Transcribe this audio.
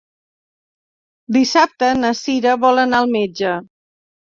Dissabte na Cira vol anar al metge.